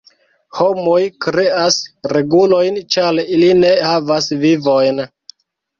Homoj kreas regulojn ĉar ili ne havas vivojn.